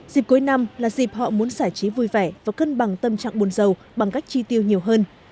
dịp cuối năm là dịp họ muốn giải trí vui vẻ và cân bằng tâm trạng buồn giàu bằng cách chi tiêu nhiều hơn